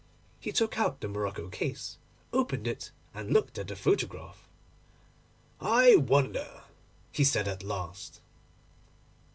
He took out the morocco case, opened it, and looked at the photograph. 'I wonder?' he said at last.